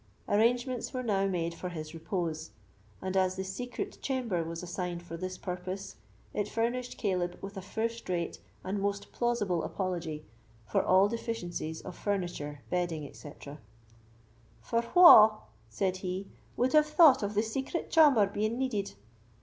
Arrangements were now made for his repose; and as the secret chamber was assigned for this purpose, it furnished Caleb with a first rate and most plausible apology for all deficiencies of furniture, bedding, etc. "For wha," said he, "would have thought of the secret chaumer being needed?